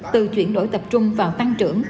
từ chuyển đổi tập trung vào tăng trưởng